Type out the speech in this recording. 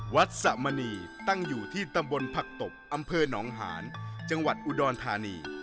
สะมณีตั้งอยู่ที่ตำบลผักตบอำเภอหนองหานจังหวัดอุดรธานี